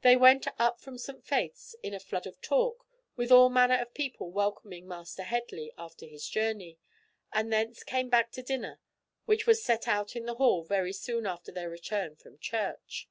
They went up from St. Faith's in a flood of talk, with all manner of people welcoming Master Headley after his journey, and thence came back to dinner which was set out in the hall very soon after their return from church.